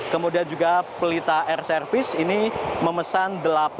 kemudian juga pelita air service ini memesan delapan